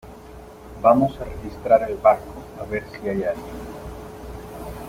vamos a registrar el barco a ver si hay alguien .